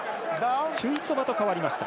テュイソバと代わりました。